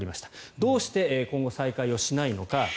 どうして今後再開をしないのか。